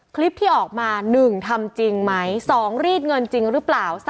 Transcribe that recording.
คลิปที่ออกมา๑ทำจริงไหม๒รีดเงินจริงหรือเปล่า